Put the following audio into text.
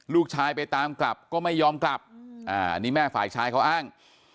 ลูกชายไปตามกลับก็ไม่ยอมกลับอันนี้แม่ฝ่ายชายเขาอ้าง